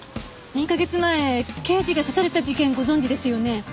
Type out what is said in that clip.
２カ月前刑事が刺された事件ご存じですよね？